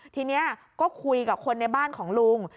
ทีนี้ก็คุยกับคนในบ้านของลุง